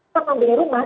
kalau membeli rumah